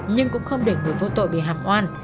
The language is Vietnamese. nhưng cũng không để người vô tội bị hạm oan